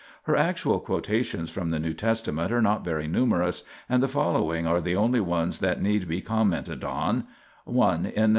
Her actual quotations from the New Testament are not very numerous, and the following are the only ones that need to be commented on : (i) In S.